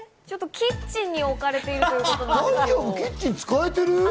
ちょっとキッチンに置かれているということで。